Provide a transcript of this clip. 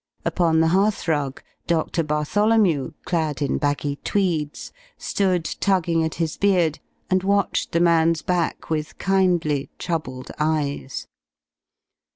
Upon the hearth rug Doctor Bartholomew, clad in baggy tweeds, stood tugging at his beard and watched the man's back with kindly, troubled eyes.